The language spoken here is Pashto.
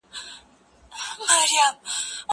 زه کولای سم وخت تېرووم!؟